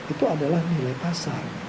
itu adalah nilai pasar